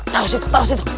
taruh disitu taruh disitu